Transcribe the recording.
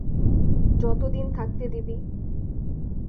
যত দিন থাকতে দিবি।